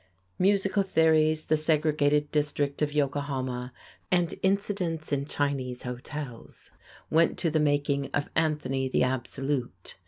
Musical theories, the segregated district of Yokohama, and incidents in Chinese hotels went to the making of "Anthony the Absolute."